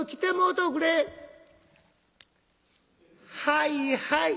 「はいはい。